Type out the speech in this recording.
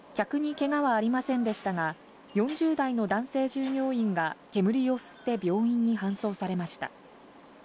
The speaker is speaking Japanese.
客にけがはありませんでしたが、４０代の男性従業員が煙を吸って病院に搬送されました。